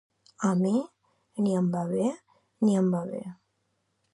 A mi ni em va ni em ve.